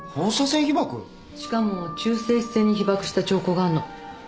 しかも中性子線に被ばくした兆候があるの。